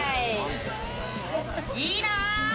いいな！